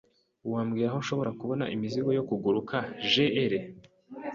Wambwira aho nshobora kubona imizigo yo kuguruka JL ?